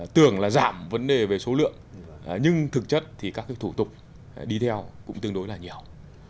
tưởng là giảm vấn đề về số lượng nhưng thực chất thì các thủ tục đi theo cũng tương đối là nhiều